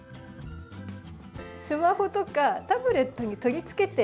スマホとかタブレットに取りつけて。